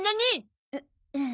ううん。